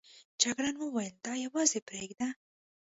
جګړن وویل دی یوازې پرېږده.